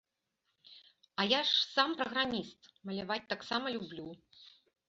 А я ж сам праграміст, маляваць таксама люблю.